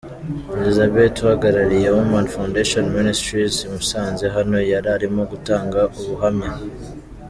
Elizabeth uhagarariye Women Foundation Ministries i Musanze, hano yari arimo gutanga ubuhamya.